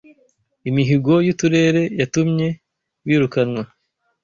Imihigo y’ uturere yatumye birukanwa